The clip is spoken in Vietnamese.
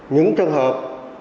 những trường hợp